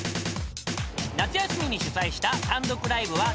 ［夏休みに取材した単独ライブは］